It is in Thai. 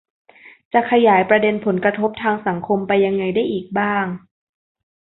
จะขยายประเด็นผลกระทบทางสังคมไปยังไงได้อีกบ้าง